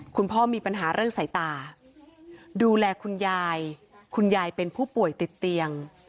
คุณพ่อมีปัญหาเรื่องสายตาดูแลคุณยายคุณยายเป็นผู้ป่วยติดเตียง